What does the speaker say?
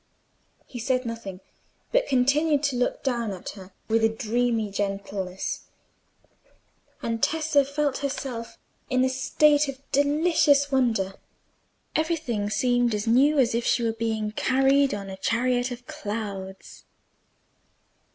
He said nothing, but continued to look down at her with a dreamy gentleness, and Tessa felt herself in a state of delicious wonder; everything seemed as new as if she were being carried on a chariot of clouds.